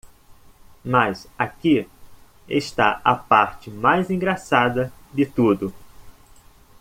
Mas aqui está a parte mais engraçada de tudo.